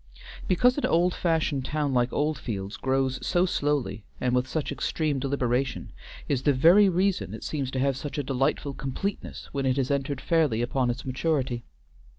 Because an old fashioned town like Oldfields grows so slowly and with such extreme deliberation, is the very reason it seems to have such a delightful completeness when it has entered fairly upon its maturity.